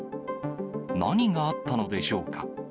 何があったのでしょうか。